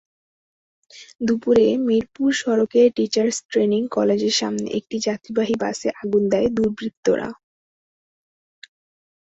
দুপুরে মিরপুর সড়কের teachers training কলেজের সামনে একটি যাত্রীবাহী বাসে আগুন দেয় দুর্বৃত্তরা।